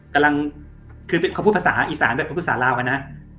อ๋อกำลังคือเขาพูดภาษาอีสานภาษาลาวนะ